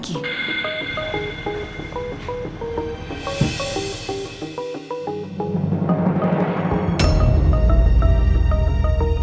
aku mau ke rumah